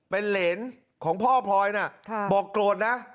เป็นเหรนของพ่อพลอยนะบอกโกรธนะ